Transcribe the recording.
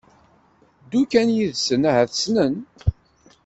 ddu kan yid-sen ahat ssnen